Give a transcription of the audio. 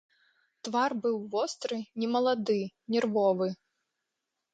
Твар быў востры, немалады, нервовы.